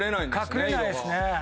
隠れないですね。